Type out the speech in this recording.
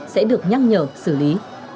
sẽ được nhắc nhở xử lý